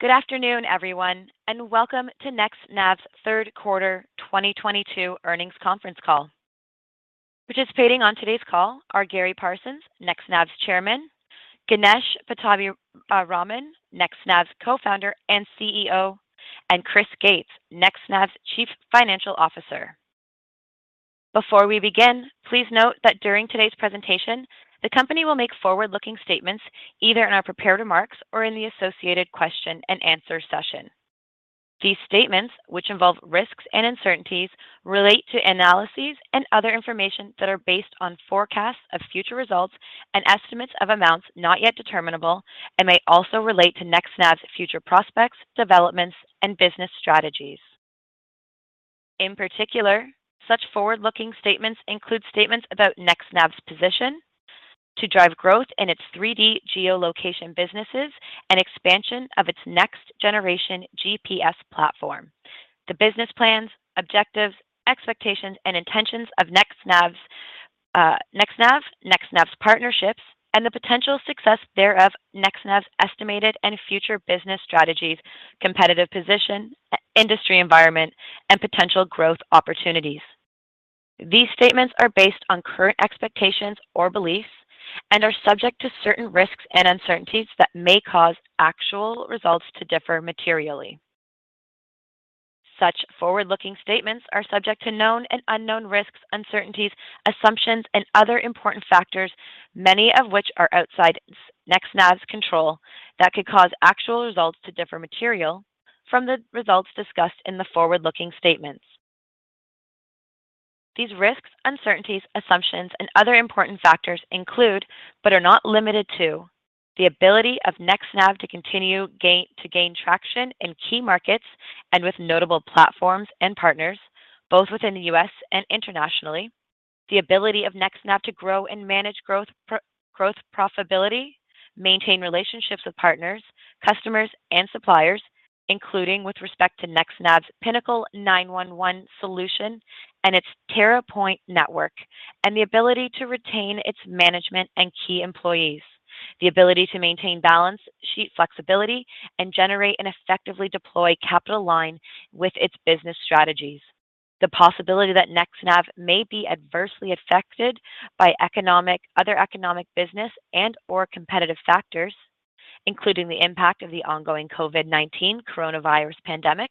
Good afternoon, everyone, and welcome to NextNav's third quarter 2022 earnings conference call. Participating on today's call are Gary Parsons, NextNav's Chairman, Ganesh Pattabiraman, NextNav's Co-Founder and CEO, and Chris Gates, NextNav's Chief Financial Officer. Before we begin, please note that during today's presentation, the company will make forward-looking statements, either in our prepared remarks or in the associated question-and-answer session. These statements, which involve risks and uncertainties, relate to analyses and other information that are based on forecasts of future results and estimates of amounts not yet determinable and may also relate to NextNav's future prospects, developments, and business strategies. In particular, such forward-looking statements include statements about NextNav's position to drive growth in its 3D geolocation businesses and expansion of its next-generation GPS platform. The business plans, objectives, expectations, and intentions of NextNav's partnerships and the potential success thereof, NextNav's estimated and future business strategies, competitive position, industry environment, and potential growth opportunities. These statements are based on current expectations or beliefs and are subject to certain risks and uncertainties that may cause actual results to differ materially. Such forward-looking statements are subject to known and unknown risks, uncertainties, assumptions, and other important factors, many of which are outside NextNav's control, that could cause actual results to differ materially from the results discussed in the forward-looking statements. These risks, uncertainties, assumptions, and other important factors include, but are not limited to, the ability of NextNav to continue to gain traction in key markets and with notable platforms and partners, both within the U.S. and internationally; the ability of NextNav to grow and manage growth profitably; maintain relationships with partners, customers, and suppliers, including with respect to NextNav's Pinnacle 911 solution and its TerraPoiNT network; and the ability to retain its management and key employees. The ability to maintain balance sheet flexibility and generate and effectively deploy capital in line with its business strategies. The possibility that NextNav may be adversely affected by other economic, business and/or competitive factors, including the impact of the ongoing COVID-19 coronavirus pandemic.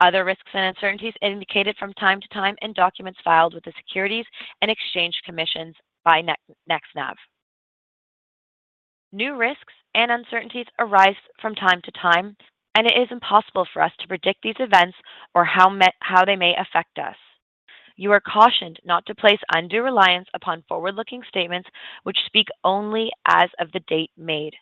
Other risks and uncertainties indicated from time to time in documents filed with the Securities and Exchange Commission by NextNav. New risks and uncertainties arise from time to time, and it is impossible for us to predict these events or how they may affect us. You are cautioned not to place undue reliance upon forward-looking statements which speak only as of the date made,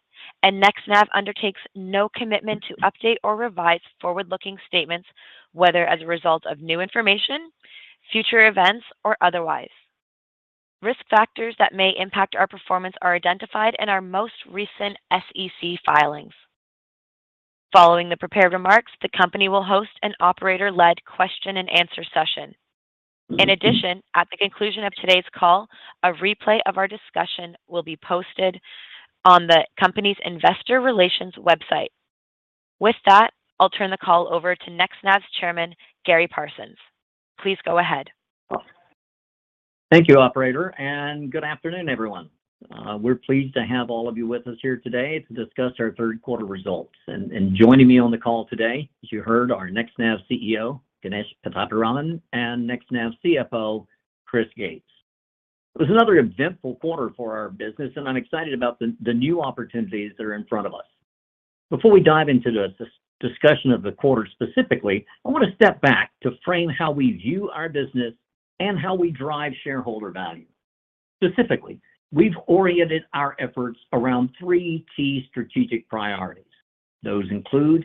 and NextNav undertakes no commitment to update or revise forward-looking statements, whether as a result of new information, future events, or otherwise. Risk factors that may impact our performance are identified in our most recent SEC filings. Following the prepared remarks, the company will host an operator-led question-and-answer session. In addition, at the conclusion of today's call, a replay of our discussion will be posted on the company's investor relations website. With that, I'll turn the call over to NextNav's chairman, Gary Parsons. Please go ahead. Thank you, operator, and good afternoon, everyone. We're pleased to have all of you with us here today to discuss our third quarter results. Joining me on the call today, as you heard, are NextNav's CEO, Ganesh Pattabiraman, and NextNav's CFO, Chris Gates. It was another eventful quarter for our business, and I'm excited about the new opportunities that are in front of us. Before we dive into the discussion of the quarter specifically, I want to step back to frame how we view our business and how we drive shareholder value. Specifically, we've oriented our efforts around three key strategic priorities. Those include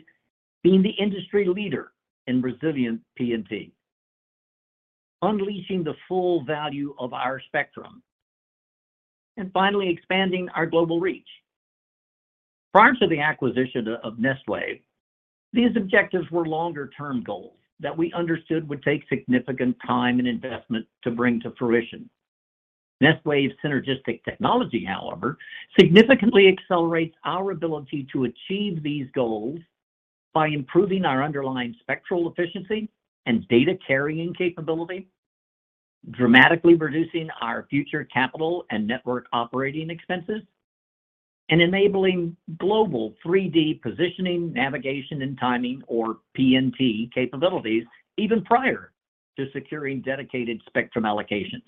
being the industry leader in resilient PNT, unleashing the full value of our spectrum, and finally, expanding our global reach. Prior to the acquisition of Nestwave, these objectives were longer-term goals that we understood would take significant time and investment to bring to fruition. Nestwave's synergistic technology, however, significantly accelerates our ability to achieve these goals by improving our underlying spectral efficiency and data carrying capability, dramatically reducing our future capital and network operating expenses, and enabling global 3D positioning, navigation, and timing, or PNT capabilities, even prior to securing dedicated spectrum allocations.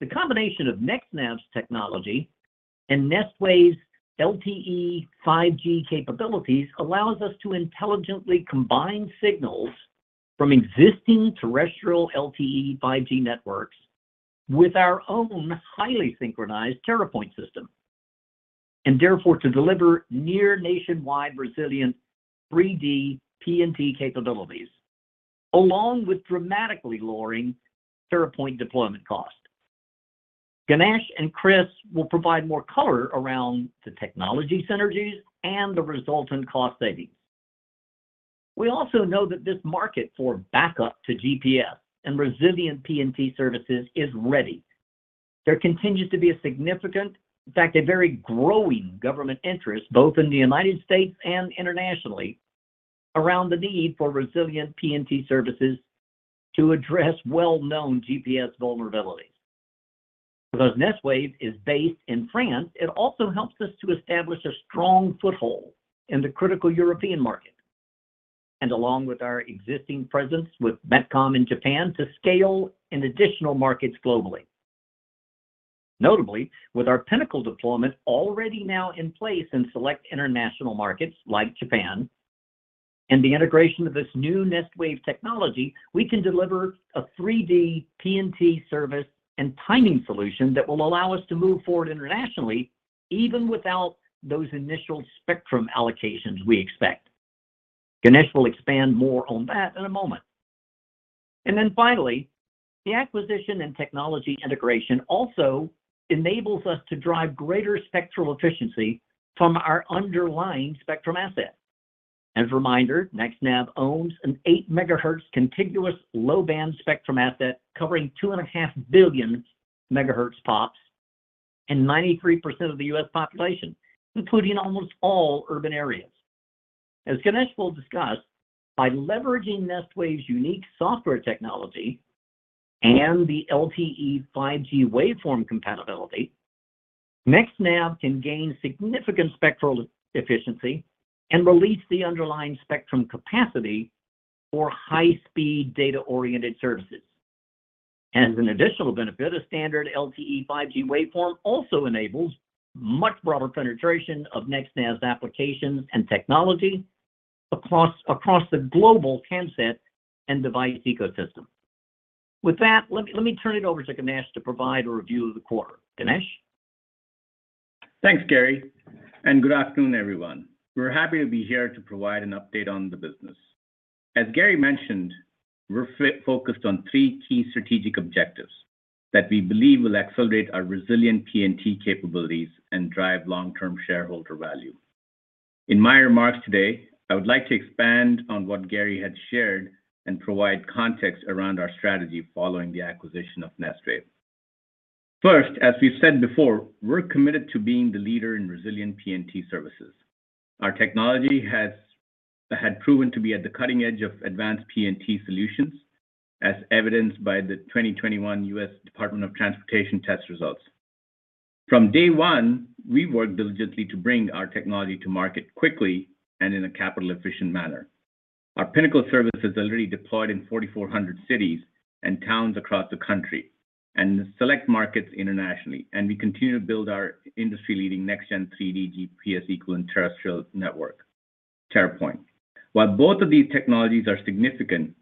The combination of NextNav's technology and Nestwave's LTE, 5G capabilities allows us to intelligently combine signals from existing terrestrial LTE, 5G networks with our own highly synchronized TerraPoiNT system, and therefore to deliver near nationwide resilient 3D PNT capabilities, along with dramatically lowering TerraPoiNT deployment cost. Ganesh and Chris will provide more color around the technology synergies and the resultant cost savings. We also know that this market for backup to GPS and resilient PNT services is ready. There continues to be a significant, in fact, a very growing government interest, both in the United States and internationally, around the need for resilient PNT services to address well-known GPS vulnerabilities. Because Nestwave is based in France, it also helps us to establish a strong foothold in the critical European market and along with our existing presence with MetCom in Japan to scale in additional markets globally. Notably, with our Pinnacle deployment already now in place in select international markets like Japan and the integration of this new Nestwave technology, we can deliver a 3D PNT service and timing solution that will allow us to move forward internationally even without those initial spectrum allocations we expect. Ganesh will expand more on that in a moment. Finally, the acquisition and technology integration also enables us to drive greater spectral efficiency from our underlying spectrum asset. As a reminder, NextNav owns an 8 MHz contiguous low-band spectrum asset covering 2.5 billion MHz pops and 93% of the U.S. population, including almost all urban areas. As Ganesh will discuss, by leveraging Nestwave's unique software technology and the LTE/5G waveform compatibility, NextNav can gain significant spectral efficiency and release the underlying spectrum capacity for high-speed data-oriented services. As an additional benefit, a standard LTE/5G waveform also enables much broader penetration of NextNav's applications and technology across the global handset and device ecosystem. With that, let me turn it over to Ganesh to provide a review of the quarter. Ganesh? Thanks, Gary, and good afternoon, everyone. We're happy to be here to provide an update on the business. As Gary mentioned, we're focused on three key strategic objectives that we believe will accelerate our resilient PNT capabilities and drive long-term shareholder value. In my remarks today, I would like to expand on what Gary had shared and provide context around our strategy following the acquisition of Nestwave. First, as we've said before, we're committed to being the leader in resilient PNT services. Our technology had proven to be at the cutting edge of advanced PNT solutions, as evidenced by the 2021 U.S. Department of Transportation test results. From day one, we've worked diligently to bring our technology to market quickly and in a capital-efficient manner. Our Pinnacle service is already deployed in 4,400 cities and towns across the country and select markets internationally, and we continue to build our industry-leading next-gen 3D GPS equivalent terrestrial network, TerraPoiNT. While both of these technologies are significant,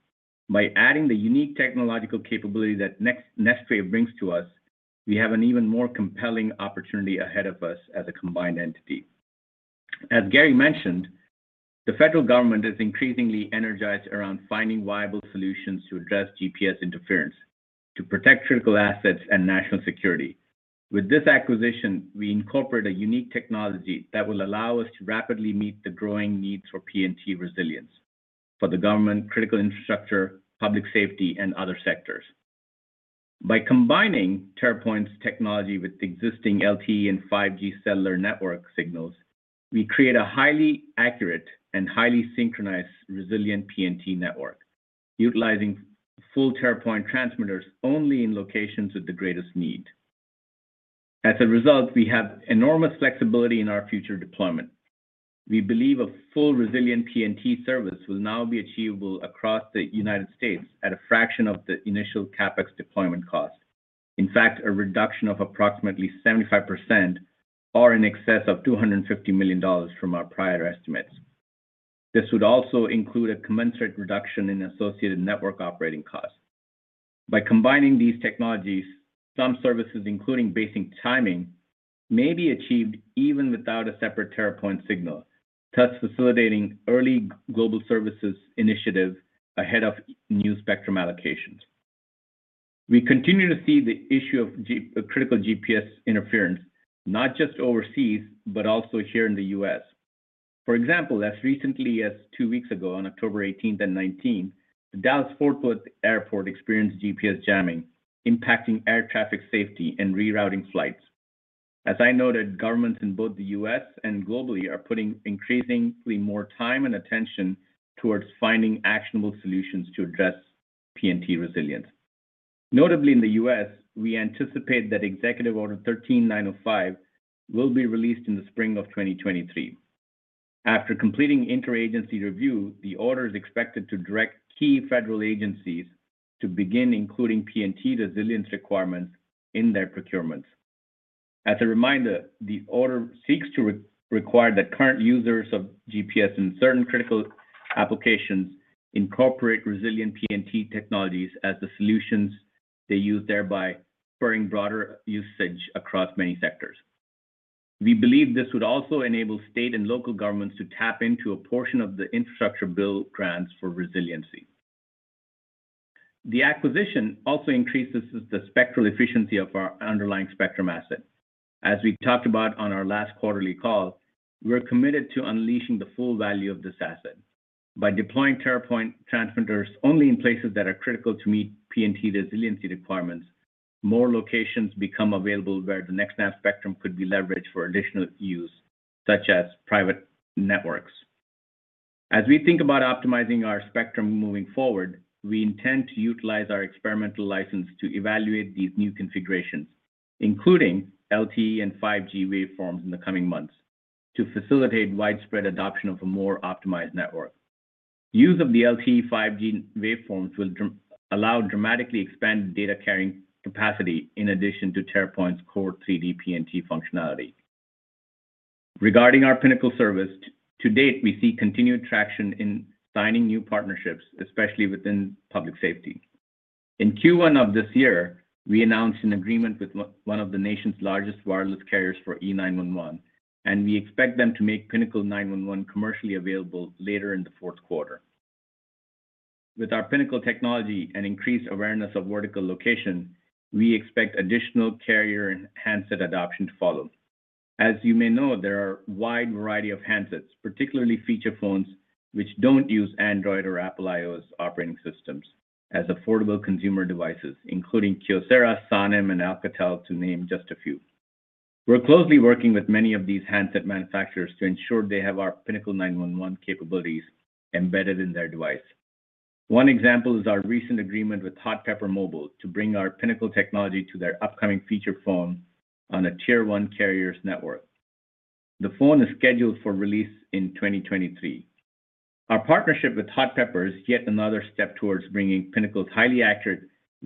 by adding the unique technological capability that Nestwave brings to us, we have an even more compelling opportunity ahead of us as a combined entity. As Gary mentioned, the federal government is increasingly energized around finding viable solutions to address GPS interference to protect critical assets and national security. With this acquisition, we incorporate a unique technology that will allow us to rapidly meet the growing needs for PNT resilience for the government, critical infrastructure, public safety, and other sectors. By combining TerraPoiNT's technology with existing LTE and 5G cellular network signals, we create a highly accurate and highly synchronized, resilient PNT network, utilizing full TerraPoiNT transmitters only in locations with the greatest need. As a result, we have enormous flexibility in our future deployment. We believe a full resilient PNT service will now be achievable across the United States at a fraction of the initial CapEx deployment cost. In fact, a reduction of approximately 75% or in excess of $250 million from our prior estimates. This would also include a commensurate reduction in associated network operating costs. By combining these technologies, some services, including basic timing, may be achieved even without a separate TerraPoiNT signal, thus facilitating early global services initiative ahead of new spectrum allocations. We continue to see the issue of GPS-critical GPS interference, not just overseas, but also here in the U.S. For example, as recently as two weeks ago, on October eighteenth and nineteenth, the Dallas Fort Worth Airport experienced GPS jamming, impacting air traffic safety and rerouting flights. As I noted, governments in both the U.S. and globally are putting increasingly more time and attention towards finding actionable solutions to address PNT resilience. Notably in the U.S., we anticipate that Executive Order 13905 will be released in the spring of 2023. After completing inter-agency review, the order is expected to direct key federal agencies to begin including PNT resilience requirements in their procurements. As a reminder, the order seeks to require that current users of GPS in certain critical applications incorporate resilient PNT technologies as the solutions they use, thereby spurring broader usage across many sectors. We believe this would also enable state and local governments to tap into a portion of the infrastructure bill grants for resiliency. The acquisition also increases the spectral efficiency of our underlying spectrum asset. As we talked about on our last quarterly call, we're committed to unleashing the full value of this asset. By deploying TerraPoiNT transmitters only in places that are critical to meet PNT resiliency requirements, more locations become available where the NextNav spectrum could be leveraged for additional use, such as private networks. As we think about optimizing our spectrum moving forward, we intend to utilize our experimental license to evaluate these new configurations, including LTE and 5G waveforms in the coming months to facilitate widespread adoption of a more optimized network. Use of the LTE 5G waveforms will allow dramatically expanded data-carrying capacity in addition to TerraPoiNT's core 3D PNT functionality. Regarding our Pinnacle service, to date, we see continued traction in signing new partnerships, especially within public safety. In Q1 of this year, we announced an agreement with one of the nation's largest wireless carriers for E911, and we expect them to make Pinnacle 911 commercially available later in the fourth quarter. With our Pinnacle technology and increased awareness of vertical location, we expect additional carrier and handset adoption to follow. As you may know, there are a wide variety of handsets, particularly feature phones which don't use Android or Apple iOS operating systems, as affordable consumer devices, including Kyocera, Sonim, and Alcatel, to name just a few. We're closely working with many of these handset manufacturers to ensure they have our Pinnacle 911 capabilities embedded in their device. One example is our recent agreement with Hot Pepper Mobile to bring our Pinnacle technology to their upcoming feature phone on a tier-one carrier's network. The phone is scheduled for release in 2023. Our partnership with Hot Pepper Mobile is yet another step towards bringing Pinnacle's highly accurate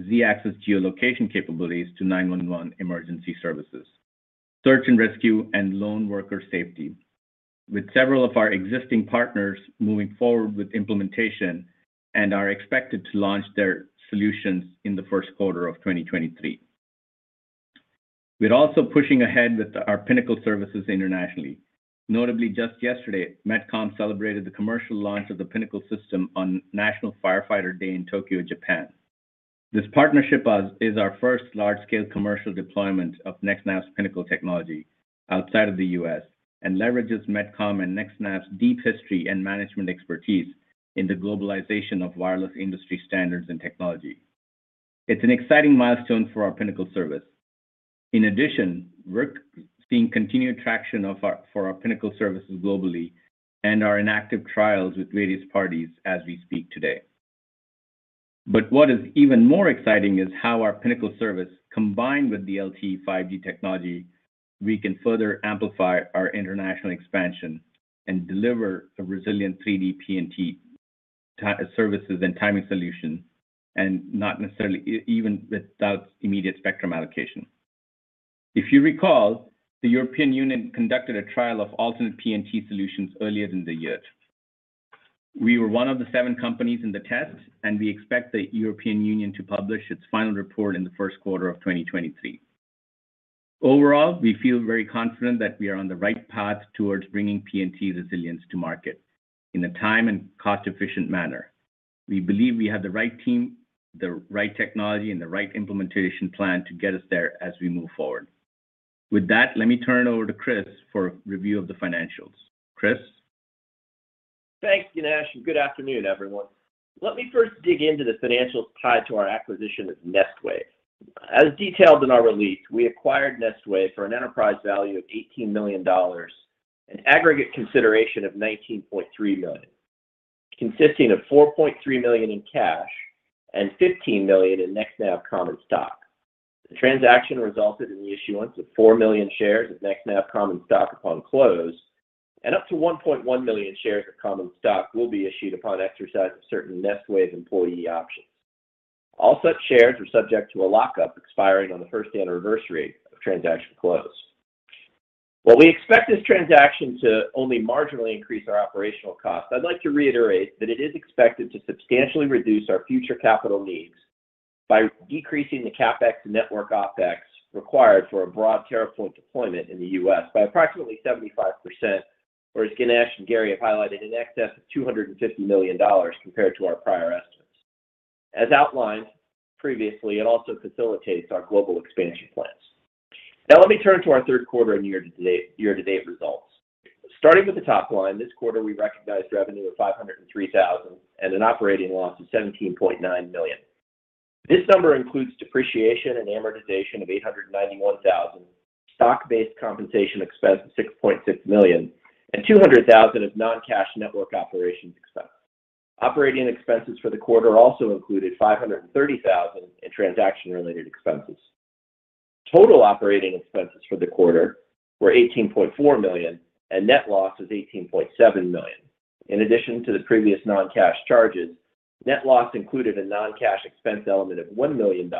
z-axis geolocation capabilities to 911 emergency services, search and rescue, and lone worker safety. With several of our existing partners moving forward with implementation and are expected to launch their solutions in the first quarter of 2023. We're also pushing ahead with our Pinnacle services internationally. Notably, just yesterday, MetCom celebrated the commercial launch of the Pinnacle system on National Firefighter Day in Tokyo, Japan. This partnership is our first large-scale commercial deployment of NextNav's Pinnacle technology outside of the U.S. and leverages MetCom and NextNav's deep history and management expertise in the globalization of wireless industry standards and technology. It's an exciting milestone for our Pinnacle service. In addition, we're seeing continued traction for our Pinnacle services globally and are in active trials with various parties as we speak today. What is even more exciting is how our Pinnacle service, combined with the LTE 5G technology, we can further amplify our international expansion and deliver a resilient 3D PNT services and timing solution, and not necessarily even without immediate spectrum allocation. If you recall, the European Union conducted a trial of alternate PNT solutions earlier in the year. We were one of the seven companies in the test, and we expect the European Union to publish its final report in the first quarter of 2023. Overall, we feel very confident that we are on the right path towards bringing PNT resilience to market in a time and cost-efficient manner. We believe we have the right team, the right technology, and the right implementation plan to get us there as we move forward. With that, let me turn it over to Chris for a review of the financials. Chris? Thanks, Ganesh, and good afternoon, everyone. Let me first dig into the financials tied to our acquisition of Nestwave. As detailed in our release, we acquired Nestwave for an enterprise value of $18 million, an aggregate consideration of $19.3 million, consisting of $4.3 million in cash and $15 million in NextNav common stock. The transaction resulted in the issuance of 4 million shares of NextNav common stock upon close, and up to 1.1 million shares of common stock will be issued upon exercise of certain Nestwave employee options. All such shares are subject to a lock-up expiring on the first anniversary of transaction close. While we expect this transaction to only marginally increase our operational cost, I'd like to reiterate that it is expected to substantially reduce our future capital needs by decreasing the CapEx and network OpEx required for a broad TerraPoiNT deployment in the U.S. by approximately 75%, or as Ganesh and Gary have highlighted, in excess of $250 million compared to our prior estimates. As outlined previously, it also facilitates our global expansion plans. Now let me turn to our third quarter and year to date results. Starting with the top line, this quarter, we recognized revenue of $503,000 and an operating loss of $17.9 million. This number includes depreciation and amortization of $891,000, stock-based compensation expense of $6.6 million, and $200,000 of non-cash network operations expense. Operating expenses for the quarter also included $530,000 in transaction-related expenses. Total operating expenses for the quarter were $18.4 million, and net loss was $18.7 million. In addition to the previous non-cash charges, net loss included a non-cash expense element of $1 million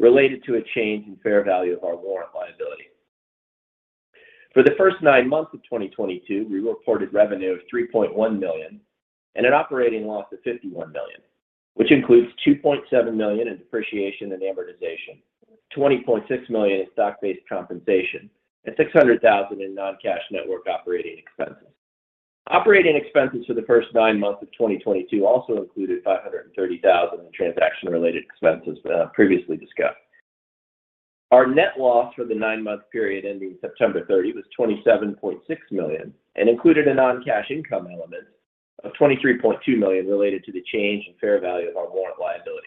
related to a change in fair value of our warrant liability. For the first nine months of 2022, we reported revenue of $3.1 million and an operating loss of $51 million, which includes $2.7 million in depreciation and amortization, $20.6 million in stock-based compensation, and $600,000 in non-cash network operating expenses. Operating expenses for the first nine months of 2022 also included $530,000 in transaction-related expenses, previously discussed. Our net loss for the nine-month period ending September 30 was $27.6 million and included a non-cash income element of $23.2 million related to the change in fair value of our warrant liability.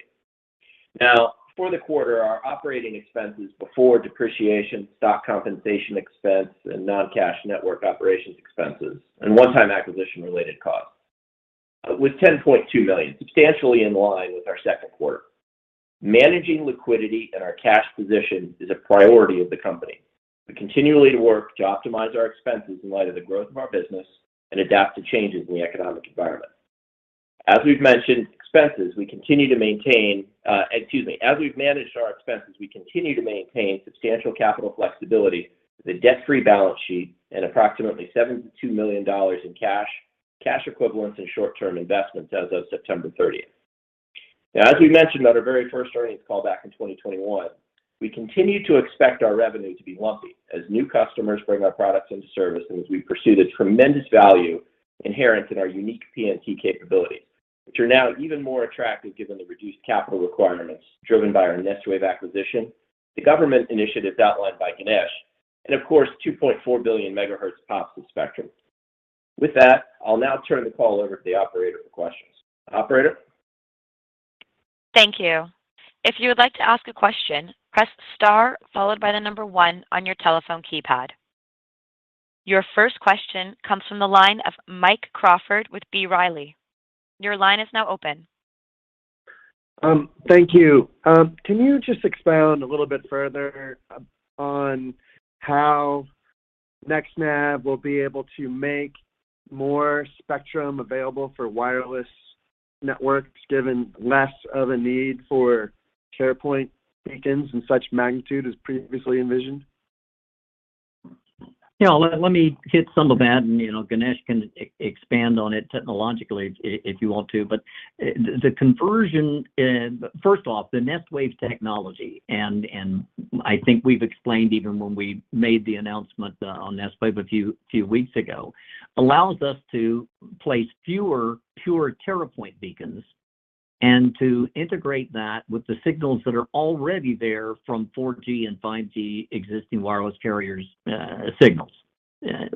Now, for the quarter, our operating expenses before depreciation, stock compensation expense, and non-cash network operations expenses and one-time acquisition related costs was $10.2 million, substantially in line with our second quarter. Managing liquidity and our cash position is a priority of the company. We continually work to optimize our expenses in light of the growth of our business and adapt to changes in the economic environment. As we've managed our expenses, we continue to maintain substantial capital flexibility with a debt-free balance sheet and approximately $72 million in cash equivalents, and short-term investments as of September 30. Now, as we mentioned on our very first earnings call back in 2021, we continue to expect our revenue to be lumpy as new customers bring our products into service, and as we pursue the tremendous value inherent in our unique PNT capabilities, which are now even more attractive given the reduced capital requirements driven by our Nestwave acquisition, the government initiatives outlined by Ganesh, and of course, 2.4 billion MHz pops in spectrum. With that, I'll now turn the call over to the operator for questions. Operator? Thank you. If you would like to ask a question, press star followed by the number one on your telephone keypad. Your first question comes from the line of Mike Crawford with B. Riley. Your line is now open. Thank you. Can you just expound a little bit further on how NextNav will be able to make more spectrum available for wireless networks, given less of a need for TerraPoiNT beacons in such magnitude as previously envisioned? Yeah, let me hit some of that, and you know, Ganesh can expand on it technologically if you want to. The conversion. First off, the Nestwave technology, and I think we've explained even when we made the announcement on Nestwave a few weeks ago, allows us to place fewer pure TerraPoiNT beacons and to integrate that with the signals that are already there from 4G and 5G existing wireless carriers' signals.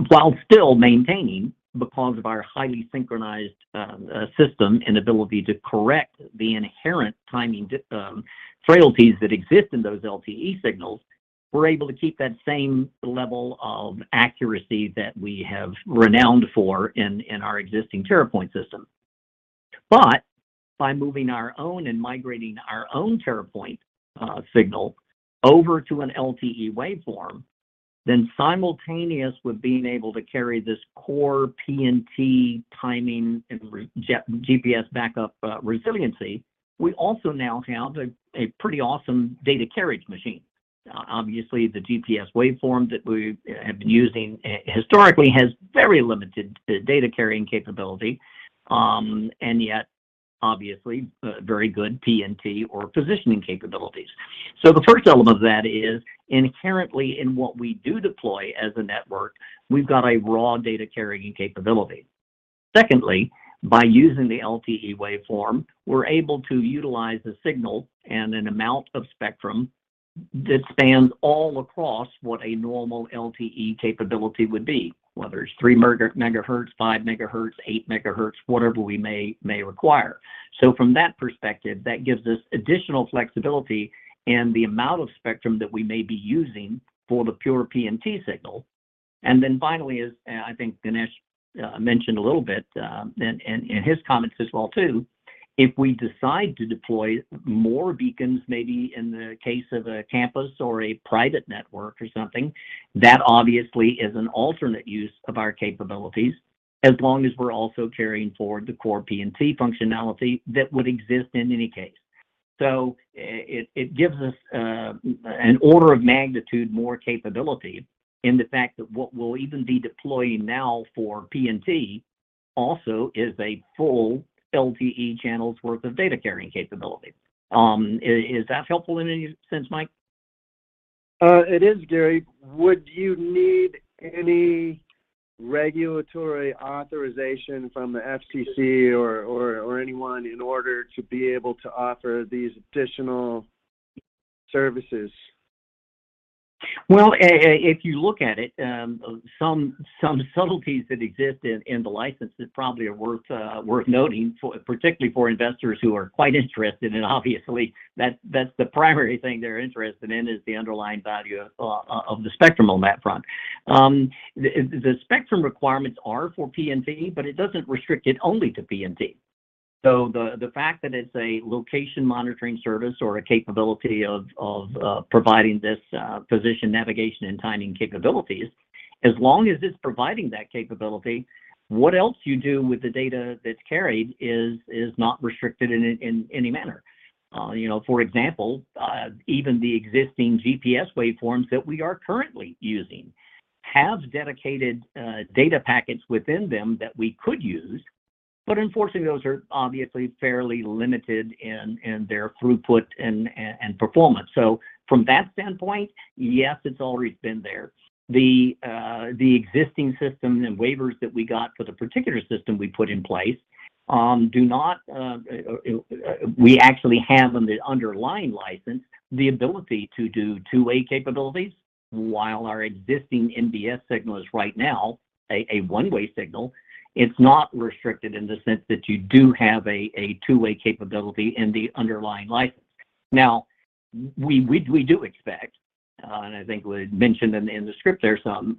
While still maintaining, because of our highly synchronized system and ability to correct the inherent timing frailties that exist in those LTE signals, we're able to keep that same level of accuracy that we have renowned for in our existing TerraPoiNT system. By moving our own and migrating our own TerraPoiNT signal over to an LTE waveform, then simultaneous with being able to carry this core PNT timing and re-GPS backup resiliency, we also now have a pretty awesome data carrying machine. Obviously, the GPS waveform that we have been using historically has very limited data carrying capability, and yet obviously very good PNT or positioning capabilities. The first element of that is inherently in what we do deploy as a network, we've got a raw data carrying capability. Secondly, by using the LTE waveform, we're able to utilize the signal and an amount of spectrum that spans all across what a normal LTE capability would be, whether it's 3 MHz, 5 MHz, 8 MHz, whatever we may require. From that perspective, that gives us additional flexibility in the amount of spectrum that we may be using for the pure PNT signal. Finally, as I think Ganesh mentioned a little bit in his comments as well too, if we decide to deploy more beacons, maybe in the case of a campus or a private network or something, that obviously is an alternate use of our capabilities, as long as we're also carrying forward the core PNT functionality that would exist in any case. It gives us an order of magnitude more capability in the fact that what we'll even be deploying now for PNT also is a full LTE channel's worth of data-carrying capability. Is that helpful in any sense, Mike? It is, Gary. Would you need any regulatory authorization from the FCC or anyone in order to be able to offer these additional services? Well, if you look at it, some subtleties that exist in the license that probably are worth noting particularly for investors who are quite interested, and obviously that's the primary thing they're interested in is the underlying value of the spectrum on that front. The spectrum requirements are for PNT, but it doesn't restrict it only to PNT. The fact that it's a location monitoring service or a capability of providing this position, navigation, and timing capabilities, as long as it's providing that capability, what else you do with the data that's carried is not restricted in any manner. You know, for example, even the existing GPS waveforms that we are currently using have dedicated data packets within them that we could use. Unfortunately, those are obviously fairly limited in their throughput and performance. From that standpoint, yes, it's already been there. The existing system and waivers that we got for the particular system we put in place, we actually have on the underlying license the ability to do two-way capabilities while our existing MBS signal is right now a one-way signal. It's not restricted in the sense that you do have a two-way capability in the underlying license. Now, we do expect, and I think we mentioned in the script there some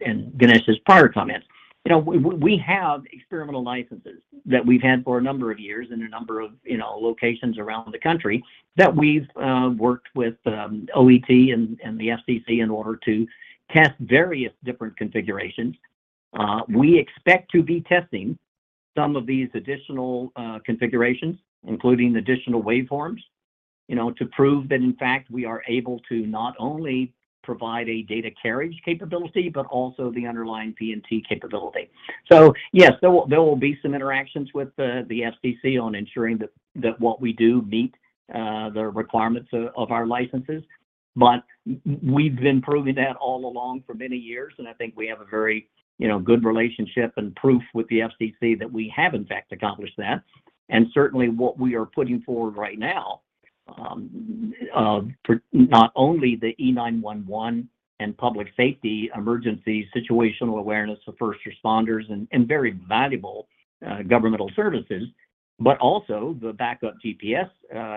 and Ganesh's prior comments. You know, we have experimental licenses that we've had for a number of years in a number of, you know, locations around the country that we've worked with OET and the FCC in order to test various different configurations. We expect to be testing some of these additional configurations, including additional waveforms, you know, to prove that in fact we are able to not only provide a data carriage capability, but also the underlying PNT capability. Yes, there will be some interactions with the FCC on ensuring that what we do meet the requirements of our licenses. We've been proving that all along for many years, and I think we have a very, you know, good relationship and proof with the FCC that we have in fact accomplished that. Certainly what we are putting forward right now, for not only the E911 and public safety emergency situational awareness of first responders and very valuable governmental services, but also the backup GPS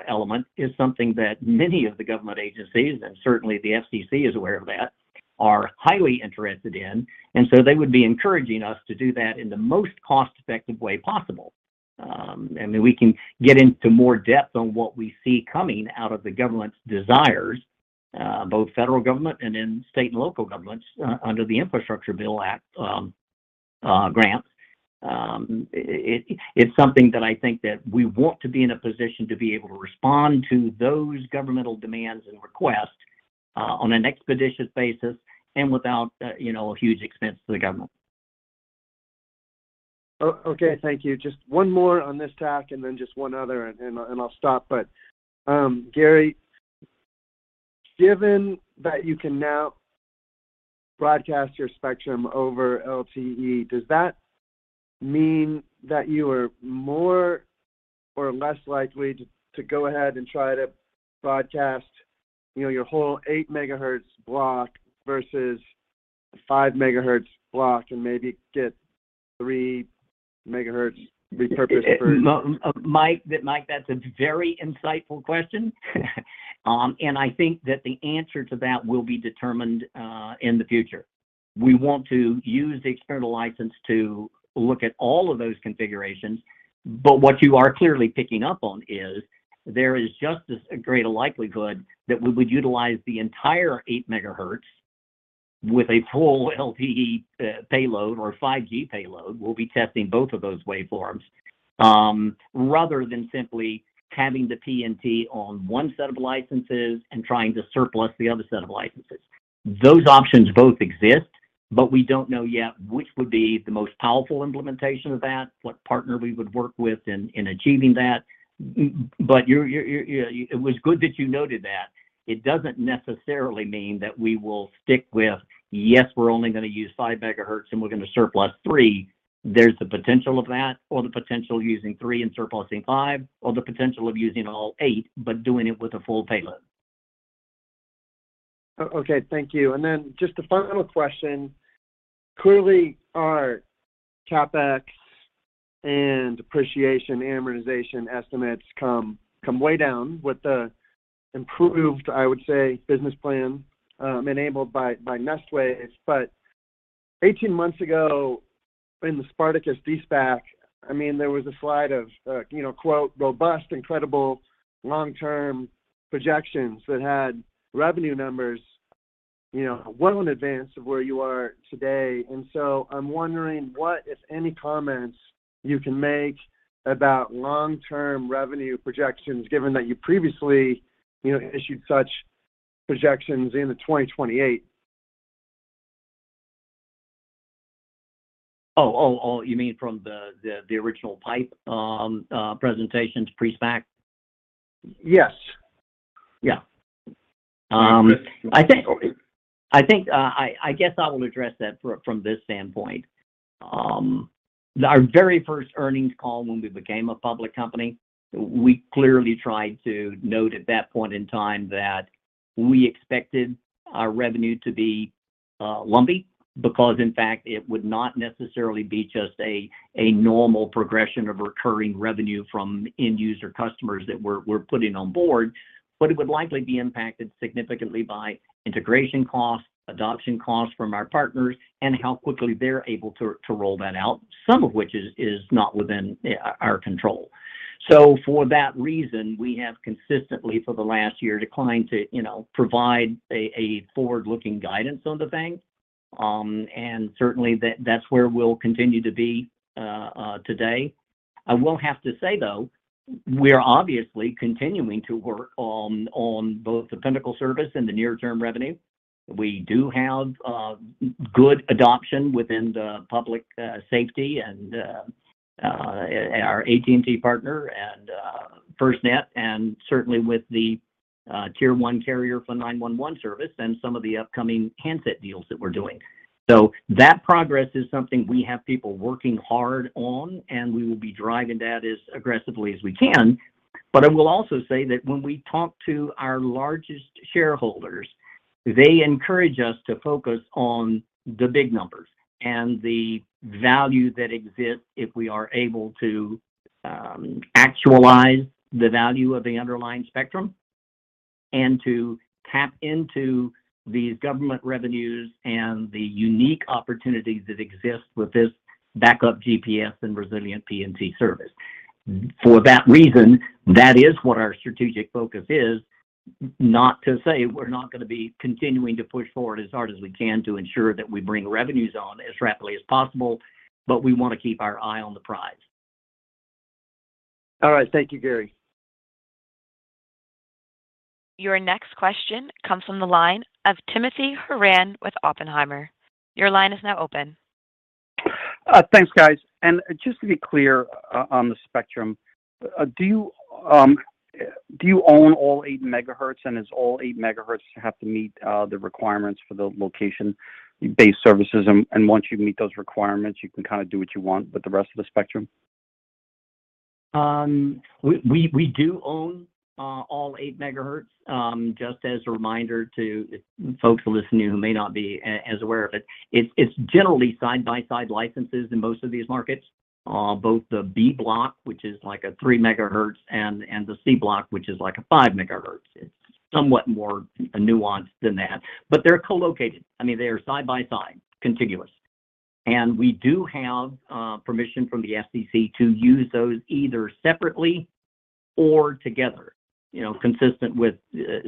element is something that many of the government agencies, and certainly the FCC is aware of that, are highly interested in. They would be encouraging us to do that in the most cost-effective way possible. I mean, we can get into more depth on what we see coming out of the government's desires, both federal government and in state and local governments under the Infrastructure Bill Act, grants. It's something that I think that we want to be in a position to be able to respond to those governmental demands and requests, on an expeditious basis and without, you know, a huge expense to the government. Okay, thank you. Just one more on this tack, and then just one other and I'll stop. Gary, given that you can now broadcast your spectrum over LTE, does that mean that you are more or less likely to go ahead and try to broadcast, you know, your whole 8 MHz block versus a 5 MHz block and maybe get 3 MHz repurposed for? Mike, that's a very insightful question. I think that the answer to that will be determined in the future. We want to use the experimental license to look at all of those configurations, but what you are clearly picking up on is there is just as great a likelihood that we would utilize the entire 8 MHz with a full LTE payload or a 5G payload. We'll be testing both of those waveforms. Rather than simply having the PNT on one set of licenses and trying to repurpose the other set of licenses. Those options both exist, but we don't know yet which would be the most powerful implementation of that, what partner we would work with in achieving that. But you're. It was good that you noted that. threeIt doesn't necessarily mean that we will stick with, yes, we're only gonna use 5 MHz, and we're gonna surplus three. There's the potential of that or the potential of using three and surplusing five, or the potential of using all 8, but doing it with a full payload. Okay, thank you. Just a final question. Clearly, our CapEx and depreciation amortization estimates come way down with the improved, I would say, business plan enabled by Nestwave, but eighteen months ago in the Spartacus de-SPAC, I mean, there was a slide of, you know, quote, "robust, incredible long-term projections" that had revenue numbers, you know, well in advance of where you are today. I'm wondering what, if any, comments you can make about long-term revenue projections given that you previously, you know, issued such projections into 2028. Oh, you mean from the original PIPE presentation to pre-SPAC? Yes. Yeah. I think I guess I will address that from this standpoint. Our very first earnings call when we became a public company, we clearly tried to note at that point in time that we expected our revenue to be lumpy because in fact, it would not necessarily be just a normal progression of recurring revenue from end user customers that we're putting on board, but it would likely be impacted significantly by integration costs, adoption costs from our partners, and how quickly they're able to roll that out, some of which is not within our control. For that reason, we have consistently for the last year declined to, you know, provide a forward-looking guidance on revenue. Certainly that's where we'll continue to be today. I will have to say, though, we're obviously continuing to work on both the Pinnacle service and the near-term revenue. We do have good adoption within the public safety and our AT&T partner and FirstNet, and certainly with the Tier 1 carrier for 911 service and some of the upcoming handset deals that we're doing. That progress is something we have people working hard on, and we will be driving that as aggressively as we can. I will also say that when we talk to our largest shareholders, they encourage us to focus on the big numbers and the value that exists if we are able to actualize the value of the underlying spectrum and to tap into these government revenues and the unique opportunities that exist with this backup GPS and resilient PNT service. For that reason, that is what our strategic focus is. Not to say we're not going to be continuing to push forward as hard as we can to ensure that we bring revenues on as rapidly as possible, but we want to keep our eye on the prize. All right. Thank you, Gary. Your next question comes from the line of Timothy Horan with Oppenheimer. Your line is now open. Thanks, guys. Just to be clear, on the spectrum, do you own all 8 MHz, and does all 8 MHz have to meet the requirements for the location-based services? Once you meet those requirements, you can kind of do what you want with the rest of the spectrum? We do own all 8 MHz. Just as a reminder to folks listening who may not be as aware of it's generally side-by-side licenses in most of these markets. Both the B block, which is, like, a 3 MHz, and the C block, which is, like, a 5 MHz. It's somewhat more nuanced than that. They're co-located. I mean, they are side by side, contiguous. We do have permission from the FCC to use those either separately or together, you know, consistent with,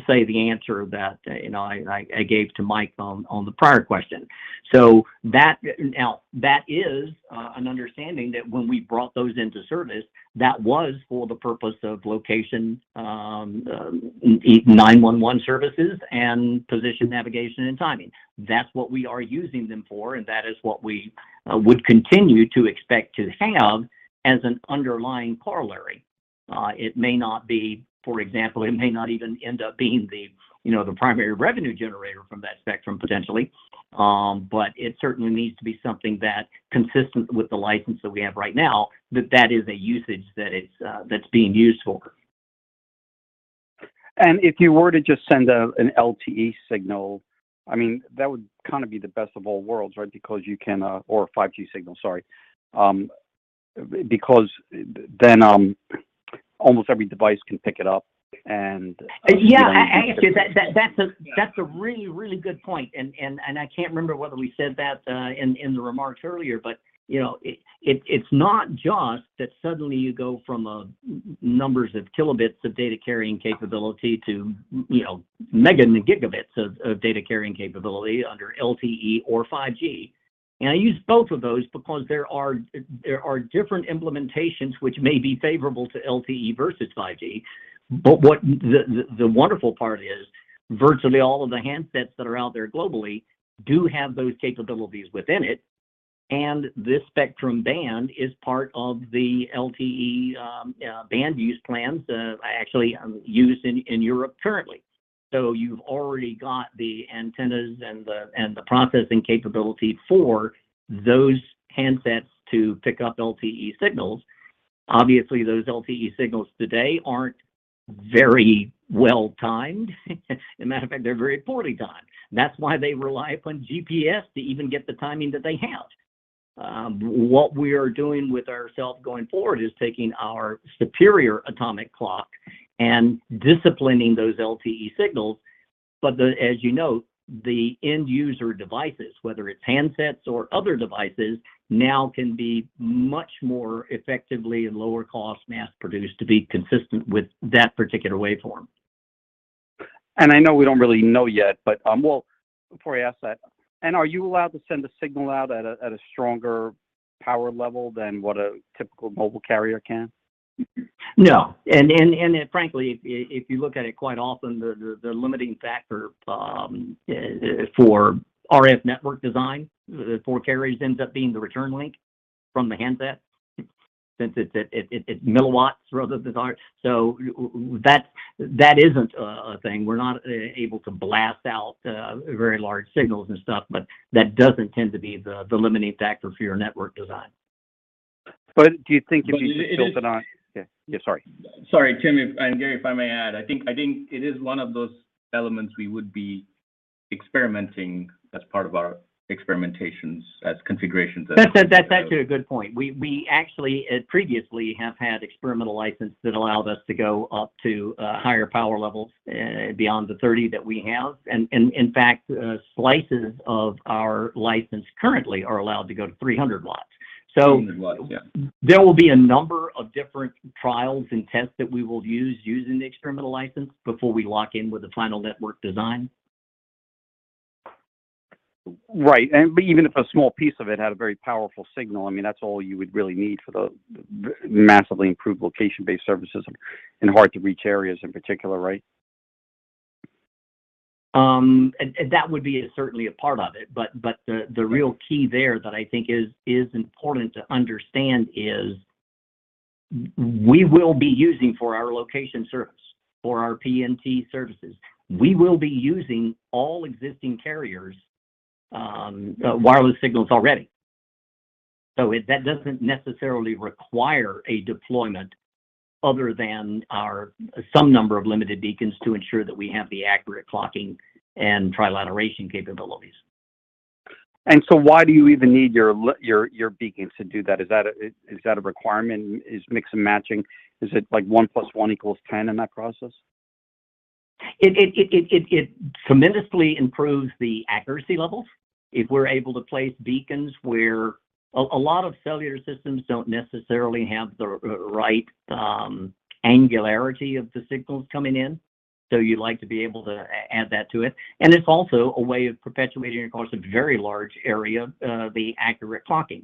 say, the answer that, you know, I gave to Mike on the prior question. Now, that is an understanding that when we brought those into service, that was for the purpose of location, 911 services and Position, Navigation, and Timing. That's what we are using them for, and that is what we would continue to expect to have as an underlying corollary. It may not be, for example, it may not even end up being the, you know, the primary revenue generator from that spectrum, potentially. It certainly needs to be something that consistent with the license that we have right now, that is a usage that it's that's being used for. If you were to just send an LTE signal, I mean, that would kind of be the best of all worlds, right? Because you can or a 5G signal, sorry, because then almost every device can pick it up and Yeah, actually, that's a really good point. I can't remember whether we said that in the remarks earlier, but you know, it's not just that suddenly you go from numbers of kilobits of data carrying capability to you know, mega and gigabits of data carrying capability under LTE or 5G. I use both of those because there are different implementations which may be favorable to LTE versus 5G. What the wonderful part is, virtually all of the handsets that are out there globally do have those capabilities within it, and this spectrum band is part of the LTE band use plans, actually, used in Europe currently. You've already got the antennas and the processing capability for those handsets to pick up LTE signals. Obviously, those LTE signals today aren't very well-timed. As a matter of fact, they're very poorly timed. That's why they rely upon GPS to even get the timing that they have. What we are doing ourselves going forward is taking our superior atomic clock and disciplining those LTE signals. As you note, the end user devices, whether it's handsets or other devices, now can be much more effectively and lower cost mass-produced to be consistent with that particular waveform. I know we don't really know yet, but, well, before I ask that, are you allowed to send a signal out at a stronger power level than what a typical mobile carrier can? No. Frankly, if you look at it quite often, the limiting factor for RF network design for carriers ends up being the return link from the handset since it's milliwatts rather than watts. That isn't a thing. We're not able to blast out very large signals and stuff, but that doesn't tend to be the limiting factor for your network design. Do you think if you just built it on? It is. Yeah. Yeah, sorry. Sorry, Tim and Gary, if I may add. I think it is one of those elements we would be experimenting as part of our experimentations as configurations that. That's actually a good point. We actually previously have had experimental license that allowed us to go up to higher power levels beyond the 30 that we have. In fact, slices of our license currently are allowed to go to 300 watts. So 300 watts, yeah. There will be a number of different trials and tests that we will use using the experimental license before we lock in with the final network design. Right. Even if a small piece of it had a very powerful signal, I mean, that's all you would really need for the massively improved location-based services in hard-to-reach areas in particular, right? That would be certainly a part of it. The real key there that I think is important to understand is we will be using for our location service, for our PNT services, we will be using all existing carriers' wireless signals already. That doesn't necessarily require a deployment other than a small number of limited beacons to ensure that we have the accurate clocking and trilateration capabilities. Why do you even need your beacons to do that? Is that a requirement? Is mix and matching? Is it like one plus one equals ten in that process? It tremendously improves the accuracy levels if we're able to place beacons where a lot of cellular systems don't necessarily have the right angularity of the signals coming in. You'd like to be able to add that to it. It's also a way of perpetuating across a very large area the accurate clocking.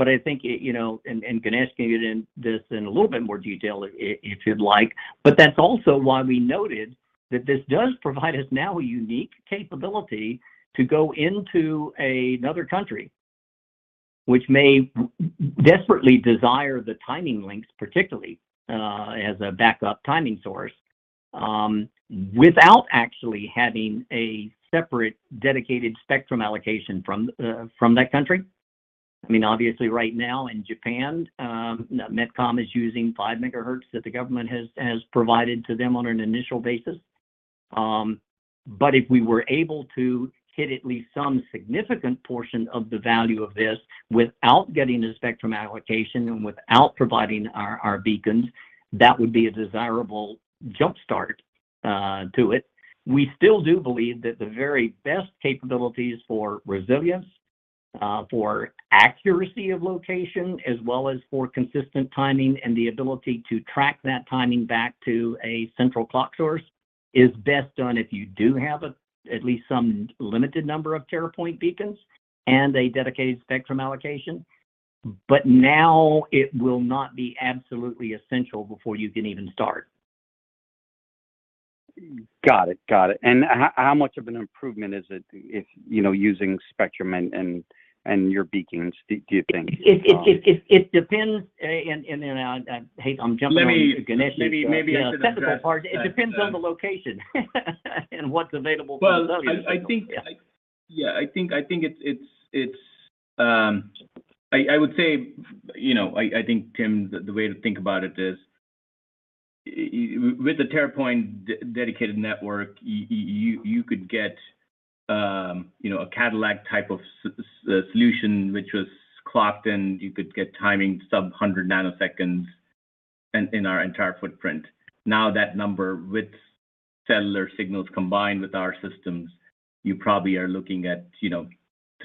I think, you know, Ganesh can get into this in a little bit more detail if you'd like. That's also why we noted that this does provide us now a unique capability to go into another country which may desperately desire the timing links, particularly as a backup timing source without actually having a separate dedicated spectrum allocation from that country. I mean, obviously right now in Japan, MetCom is using 5 MHz that the government has provided to them on an initial basis. If we were able to hit at least some significant portion of the value of this without getting the spectrum allocation and without providing our beacons, that would be a desirable jumpstart to it. We still do believe that the very best capabilities for resilience, for accuracy of location, as well as for consistent timing and the ability to track that timing back to a central clock source is best done if you do have at least some limited number of TerraPoiNT beacons and a dedicated spectrum allocation. Now it will not be absolutely essential before you can even start. Got it. How much of an improvement is it if, you know, using spectrum and your beacons, do you think? It depends. I hate I'm jumping on you, Ganesh. Maybe I should address that. That's the best part. It depends on the location and what's available from cellular signals. Well, I think, yeah, I think it's. I would say, you know, I think, Tim, the way to think about it is with the TerraPoiNT dedicated network, you could get, you know, a Cadillac type of solution, which was clocked and you could get timing sub-100 nanoseconds in our entire footprint. Now that number with cellular signals combined with our systems, you probably are looking at, you know,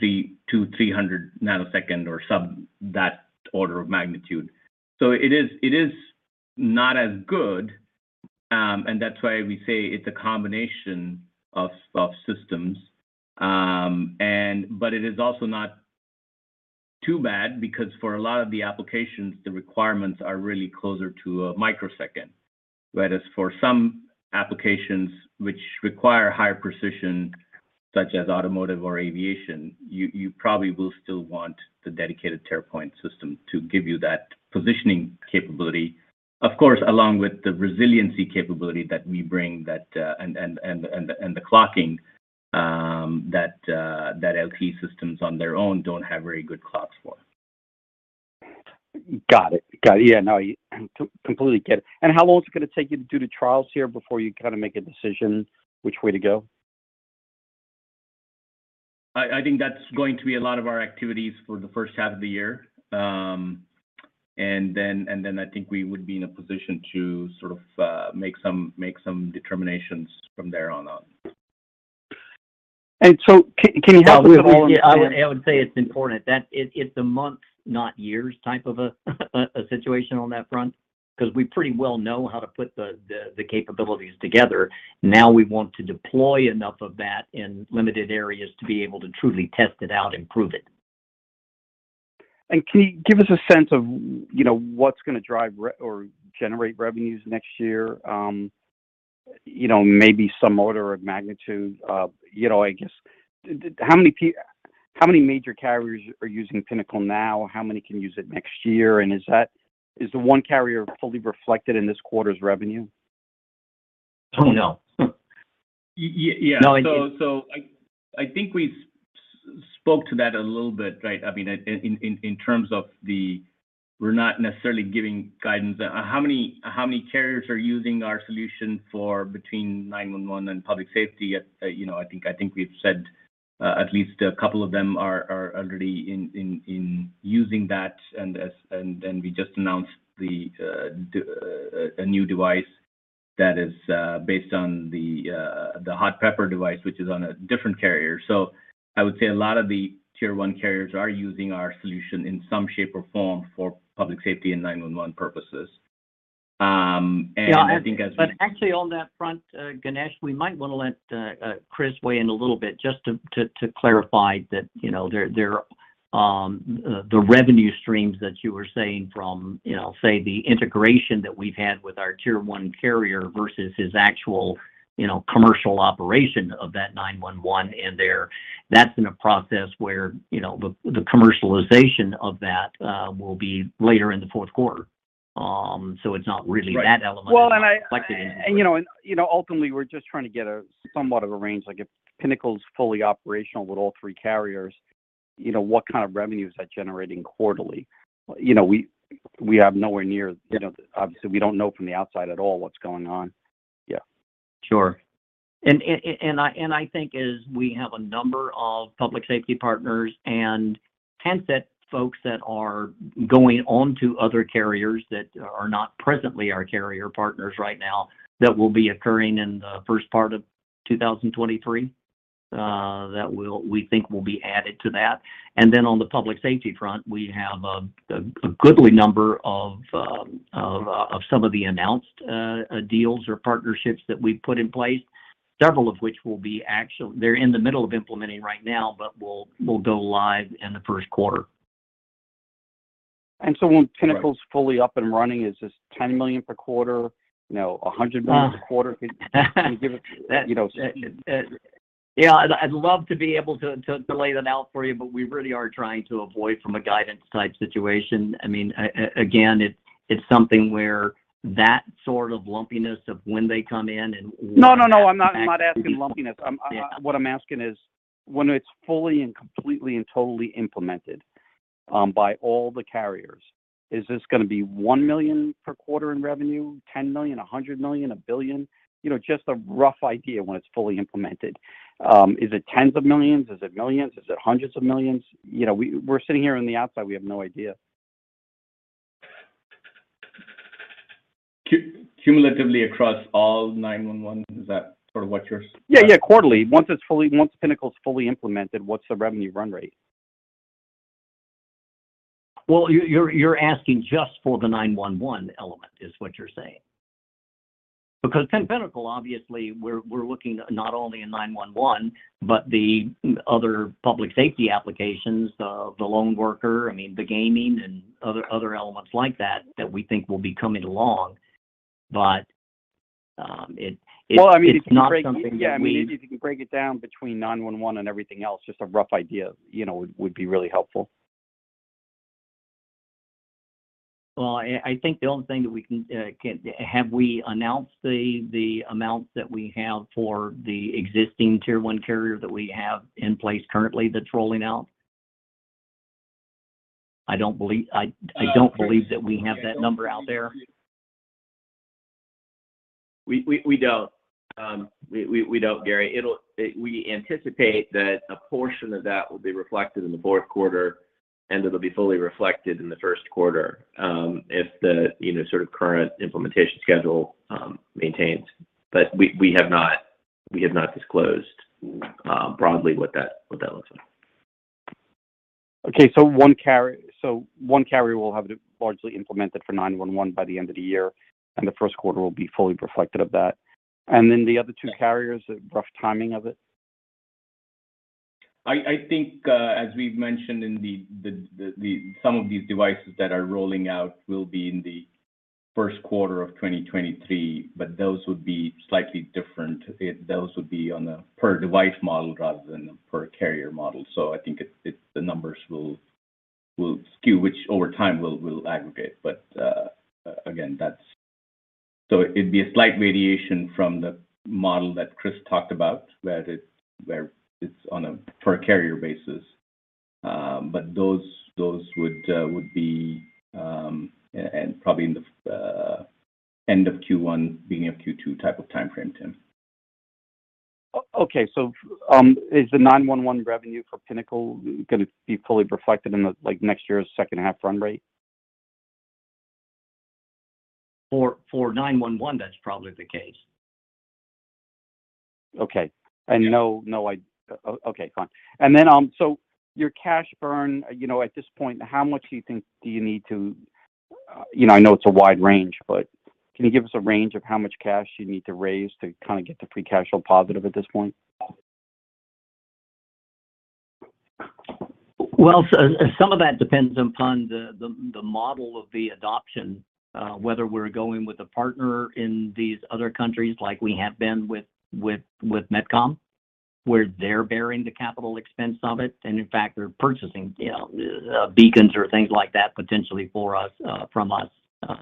30-300 nanoseconds or sub- that order of magnitude. It is not as good, and that's why we say it's a combination of systems. It is also not too bad because for a lot of the applications, the requirements are really closer to a microsecond. Whereas for some applications which require higher precision, such as automotive or aviation, you probably will still want the dedicated TerraPoiNT system to give you that positioning capability. Of course, along with the resiliency capability that we bring and the clocking that LTE systems on their own don't have very good clocks for. Got it. Yeah, no, you. I completely get it. How long is it gonna take you to do the trials here before you kinda make a decision which way to go? I think that's going to be a lot of our activities for the first half of the year. Then I think we would be in a position to sort of make some determinations from there on. Can you help with all of the I would say it's important. It's a months, not years type of a situation on that front because we pretty well know how to put the capabilities together. Now we want to deploy enough of that in limited areas to be able to truly test it out and prove it. Can you give us a sense of, you know, what's gonna drive or generate revenues next year? You know, maybe some order of magnitude of, you know, I guess how many major carriers are using Pinnacle now? How many can use it next year? Is that, is the one carrier fully reflected in this quarter's revenue? Oh, no. Y-yeah. No. I think we spoke to that a little bit, right? I mean, in terms of. We're not necessarily giving guidance. How many carriers are using our solution for between 911 and public safety? You know, I think we've said at least a couple of them are already using that. We just announced a new device that is based on the Hot Pepper device, which is on a different carrier. I would say a lot of the tier one carriers are using our solution in some shape or form for public safety and 911 purposes. I think as we Yeah, I think, but actually on that front, Ganesh, we might wanna let Chris weigh in a little bit just to clarify that, you know, there the revenue streams that you were saying from, you know, say the integration that we've had with our tier one carrier versus his actual, you know, commercial operation of that 911 in there, that's in a process where, you know, the commercialization of that will be later in the fourth quarter. So it's not really that element. Right. Well, Reflected in there. You know, ultimately we're just trying to get somewhat of a range, like if Pinnacle's fully operational with all three carriers, you know, what kind of revenue is that generating quarterly? You know, we have nowhere near, you know, obviously we don't know from the outside at all what's going on. Yeah. Sure. I think as we have a number of public safety partners and handset folks that are going onto other carriers that are not presently our carrier partners right now, that will be occurring in the first part of 2023, that we think will be added to that. Then on the public safety front, we have a goodly number of some of the announced deals or partnerships that we've put in place, several of which will be they're in the middle of implementing right now, but will go live in the first quarter. When Pinnacle's. Right fully up and running, is this $10 million per quarter? You know, $100 million per quarter? Can you give, you know- Yeah, I'd love to be able to to lay that out for you, but we really are trying to avoid from a guidance type situation. I mean, again, it's something where that sort of lumpiness of when they come in and what. No, no. I'm not asking lumpiness. Yeah What I'm asking is when it's fully and completely and totally implemented by all the carriers, is this gonna be $1 million per quarter in revenue, $10 million, $100 million, $1 billion? You know, just a rough idea when it's fully implemented. Is it $10s of millions? Is it millions? Is it $100s of millions? You know, we're sitting here on the outside, we have no idea. Cumulatively across all 911, is that sort of what you're asking? Yeah, yeah. Quarterly. Once Pinnacle's fully implemented, what's the revenue run rate? Well, you're asking just for the 911 element is what you're saying? Because in Pinnacle, obviously we're looking not only at 911, but the other public safety applications, the lone worker, I mean the gaming and other elements like that we think will be coming along. It's- Well, I mean, if you can break. It's not something that we. Yeah, I mean, if you can break it down between 911 and everything else, just a rough idea, you know, would be really helpful. Well, I think the only thing that we can. Have we announced the amount that we have for the existing Tier 1 carrier that we have in place currently that's rolling out? I don't believe that we have that number out there. We don't, Gary. We anticipate that a portion of that will be reflected in the fourth quarter, and it'll be fully reflected in the first quarter, if you know, sort of current implementation schedule maintains. We have not disclosed broadly what that looks like. Okay. One carrier will have it largely implemented for 911 by the end of the year, and the first quarter will be fully reflective of that. Then the other two carriers, a rough timing of it? I think, as we've mentioned, some of these devices that are rolling out will be in the first quarter of 2023, but those would be slightly different. Those would be on a per device model rather than a per carrier model. I think the numbers will skew, which over time will aggregate. Again, that's. It'd be a slight variation from the model that Chris talked about where it's on a per carrier basis. Those would be, and probably in the end of Q1, beginning of Q2 type of timeframe, Tim. Okay. Is the 911 revenue for Pinnacle gonna be fully reflected in the, like, next year's second half run rate? For 911, that's probably the case. Okay. Fine. Your cash burn, you know, at this point, how much do you think you need to, you know, I know it's a wide range, but can you give us a range of how much cash you need to raise to kind of get to free cash flow positive at this point? Well, some of that depends upon the model of the adoption, whether we're going with a partner in these other countries like we have been with MetCom, where they're bearing the capital expense of it, and in fact they're purchasing, you know, beacons or things like that potentially for us from us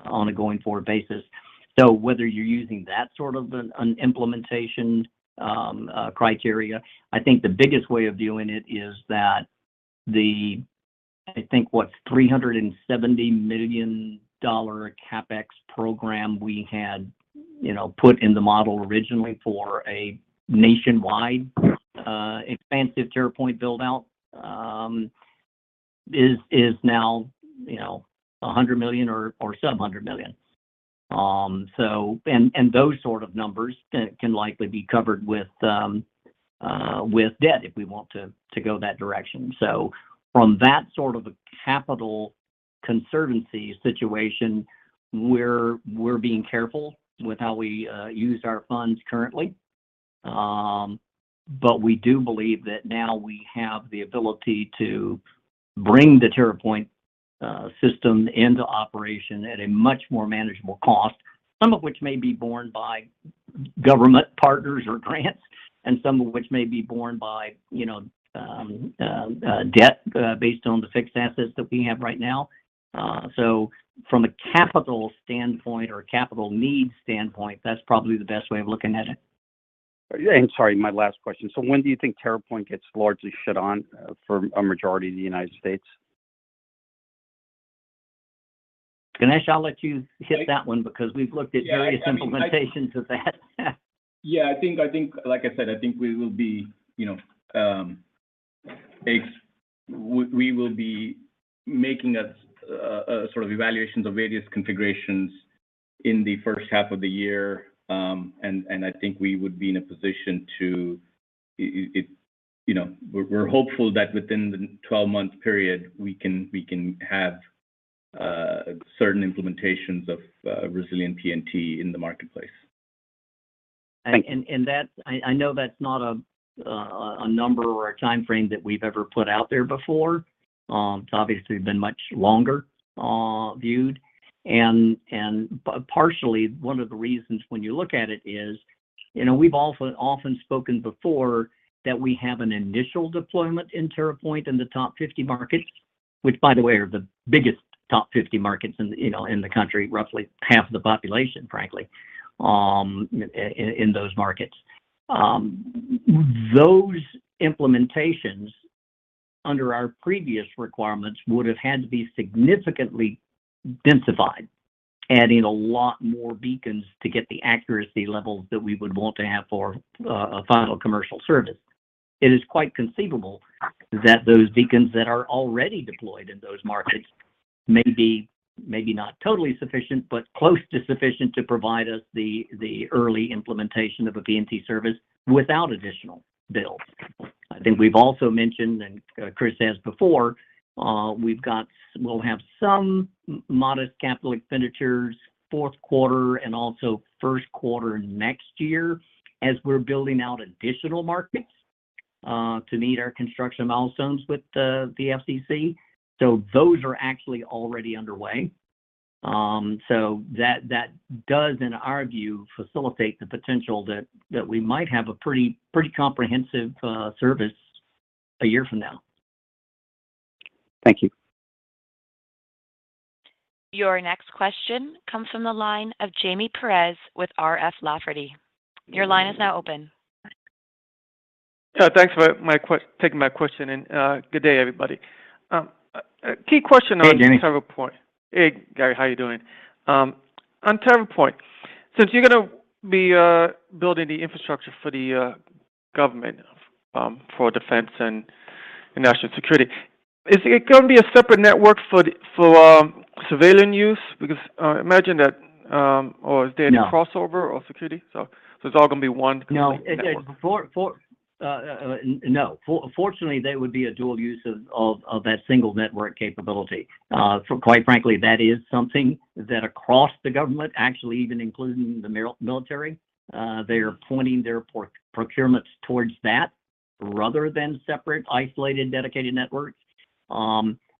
on a going forward basis. Whether you're using that sort of an implementation criteria. I think the biggest way of viewing it is that I think what $370 million CapEx program we had you know put in the model originally for a nationwide expansive TerraPoiNT build-out is now you know $100 million or $700 million. Those sort of numbers can likely be covered with debt if we want to go that direction. From that sort of a capital conservation situation, we're being careful with how we use our funds currently. We do believe that now we have the ability to bring the TerraPoiNT system into operation at a much more manageable cost, some of which may be borne by government partners or grants, and some of which may be borne by, you know, debt based on the fixed assets that we have right now. From a capital standpoint or a capital needs standpoint, that's probably the best way of looking at it. Sorry, my last question. When do you think TerraPoiNT gets largely turned on for a majority of the United States? Ganesh, I'll let you hit that one because we've looked at various implementations of that. Yeah, I think, like I said, I think we will be, you know, we will be making sort of evaluations of various configurations in the first half of the year. I think we would be in a position to, you know, we're hopeful that within the 12-month period, we can have certain implementations of resilient PNT in the marketplace. Thank you. I know that's not a number or a timeframe that we've ever put out there before. It's obviously been much longer viewed. Partially one of the reasons when you look at it is, you know, we've also often spoken before that we have an initial deployment in TerraPoiNT in the top 50 markets, which by the way, are the biggest top 50 markets in, you know, in the country, roughly half the population, frankly, in those markets. Those implementations under our previous requirements would've had to be significantly densified, adding a lot more beacons to get the accuracy levels that we would want to have for a final commercial service. It is quite conceivable that those beacons that are already deployed in those markets may be, maybe not totally sufficient, but close to sufficient to provide us the early implementation of a PNT service without additional builds. I think we've also mentioned, and Chris has before, we'll have some modest capital expenditures fourth quarter and also first quarter next year as we're building out additional markets, to meet our construction milestones with the FCC. Those are actually already underway. That does, in our view, facilitate the potential that we might have a pretty comprehensive service a year from now. Thank you. Your next question comes from the line of Jaime Perez with R.F. Lafferty. Your line is now open. Thanks for taking my question, and good day, everybody. A key question on TerraPoiNT. Hey, Jaime. Hey, Gary. How are you doing? On TerraPoiNT, since you're gonna be building the infrastructure for the government for defense and national security, is it gonna be a separate network for civilian use? Because imagine that. Or is there any No crossover or security? It's all gonna be one network. No. Fortunately, there would be a dual use of that single network capability. Quite frankly, that is something that across the government, actually even including the military, they're pointing their procurements towards that rather than separate, isolated, dedicated networks.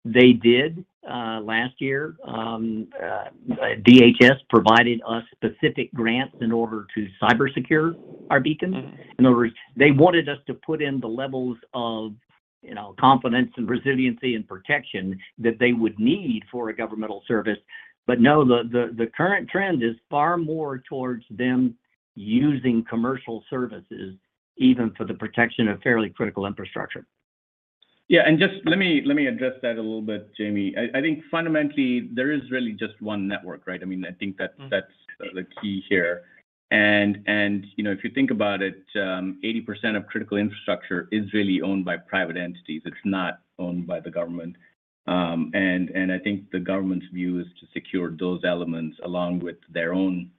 They did last year, DHS provided us specific grants in order to cyber secure our beacons. In other words, they wanted us to put in the levels of, you know, confidence and resiliency and protection that they would need for a governmental service. No, the current trend is far more towards them using commercial services, even for the protection of fairly critical infrastructure. Yeah. Just let me address that a little bit, Jaime. I think fundamentally there is really just one network, right? I mean, I think that's the key here. You know, if you think about it, 80% of critical infrastructure is really owned by private entities. It's not owned by the government. I think the government's view is to secure those elements along with their own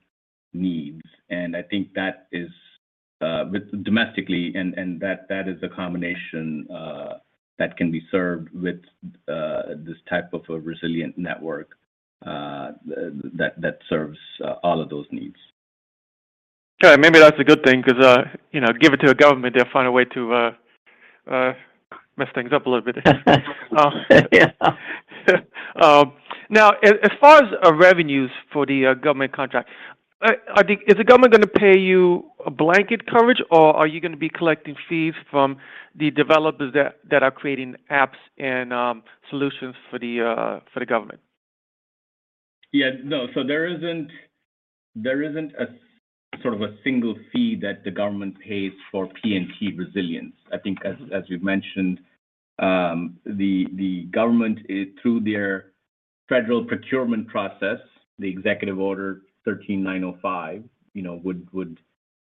needs. I think that is with domestically and that is a combination that can be served with this type of a resilient network that serves all of those needs. Okay. Maybe that's a good thing because, you know, give it to a government, they'll find a way to mess things up a little bit. Yeah. Now as far as revenues for the government contract, is the government gonna pay you a blanket coverage, or are you gonna be collecting fees from the developers that are creating apps and solutions for the government? Yeah. No. There isn't a sort of a single fee that the government pays for PNT resilience. I think as we've mentioned, the government is through their federal procurement process, the Executive Order 13905, you know, would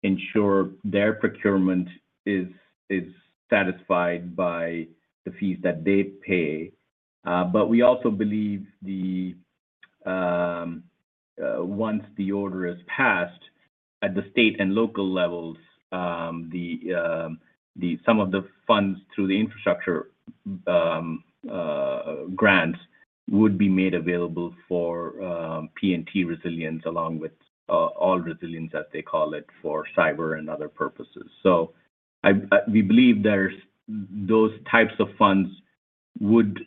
ensure their procurement is satisfied by the fees that they pay. But we also believe, once the order is passed at the state and local levels, some of the funds through the infrastructure grants would be made available for PNT resilience along with all resilience as they call it for cyber and other purposes. We believe there's those types of funds would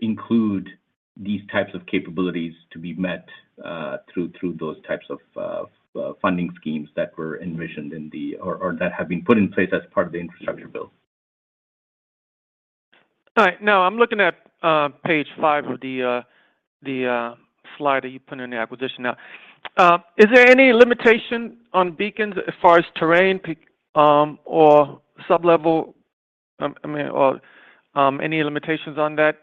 include these types of capabilities to be met through those types of funding schemes that were envisioned or that have been put in place as part of the Infrastructure bill. All right. Now I'm looking at page five of the slide that you put in the acquisition now. Is there any limitation on beacons as far as terrain or sub-level, I mean, or any limitations on that?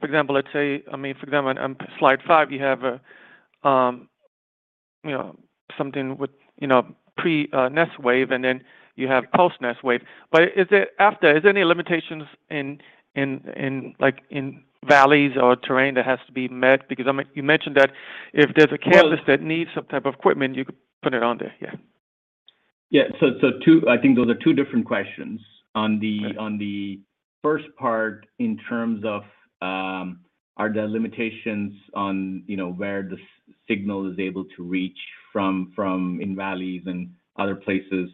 For example, let's say, I mean, for example, on slide five, you have a you know, something with you know, pre-Nestwave, and then you have post-Nestwave. But is it after, is there any limitations in like in valleys or terrain that has to be met? Because you mentioned that if there's a campus that needs some type of equipment, you could put it on there. Yeah. Yeah. I think those are two different questions. Okay on the first part in terms of, are there limitations on, you know, where the signal is able to reach from in valleys and other places?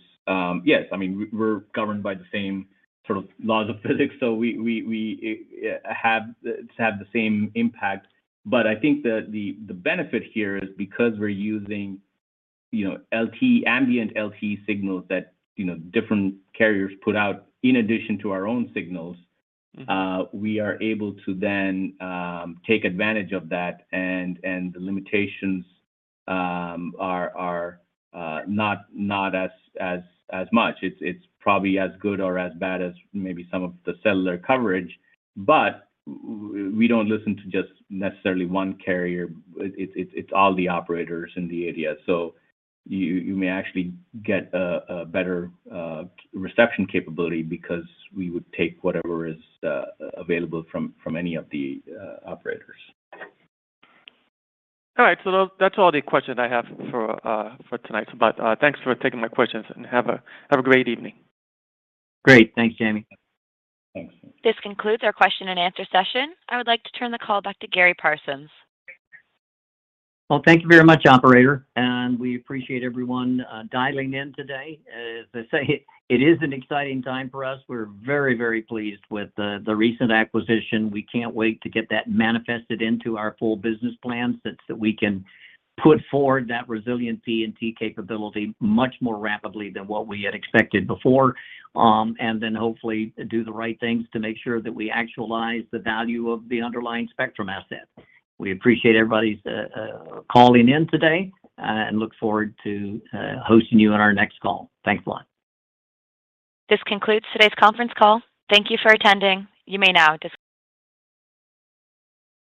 Yes. I mean, we're governed by the same sort of laws of physics. We have the same impact. But I think the benefit here is because we're using, you know, LTE, ambient LTE signals that, you know, different carriers put out in addition to our own signals. Mm-hmm We are able to then take advantage of that and the limitations are not as much. It's probably as good or as bad as maybe some of the cellular coverage, but we don't listen to just necessarily one carrier. It's all the operators in the area. You may actually get a better reception capability because we would take whatever is available from any of the operators. All right. That's all the questions I have for tonight. Thanks for taking my questions and have a great evening. Great. Thanks, Jaime. Thanks. This concludes our question and answer session. I would like to turn the call back to Gary Parsons. Well, thank you very much, operator, and we appreciate everyone dialing in today. As I say, it is an exciting time for us. We're very, very pleased with the recent acquisition. We can't wait to get that manifested into our full business plan such that we can put forward that resiliency and PNT capability much more rapidly than what we had expected before. Then hopefully do the right things to make sure that we actualize the value of the underlying spectrum asset. We appreciate everybody's calling in today and look forward to hosting you on our next call. Thanks a lot. This concludes today's conference call. Thank you for attending. You may now dis-